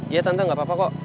ya tante gak apa apa kok